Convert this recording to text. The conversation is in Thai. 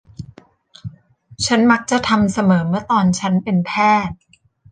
ฉันมักจะทำเสมอเมื่อตอนฉันเป็นแพทย์